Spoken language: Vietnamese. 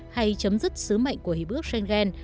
hay chấm dứt sứ mệnh của hỷ bước schengen